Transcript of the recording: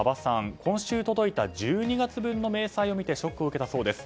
今週届いた１２月分の明細を見てショックを受けたそうです。